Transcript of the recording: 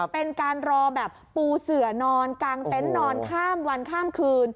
เป็นการรอแบบปูเสือนอนกลางเต็นต์นอนข้ามวันข้ามคืน